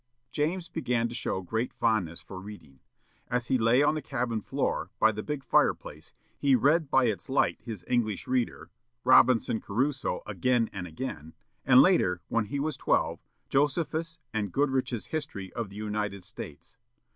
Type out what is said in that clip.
James began to show great fondness for reading. As he lay on the cabin floor, by the big fireplace, he read by its light his "English Reader," "Robinson Crusoe" again and again, and, later, when he was twelve, "Josephus," and "Goodrich's History of the United States."